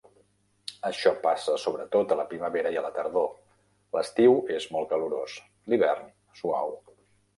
Això passa sobretot a la primavera i a la tardor; l'estiu és molt calorós, l'hivern suau.